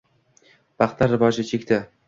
Paxta rivoji kechikdi.